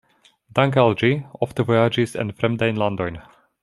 Dank`al ĝi ofte vojaĝis en fremdajn landojn.